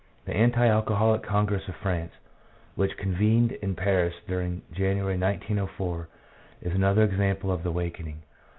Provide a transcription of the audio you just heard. The Anti Alcoholic Congress of France, which convened in Paris during January 1 904, is another example of the awakening.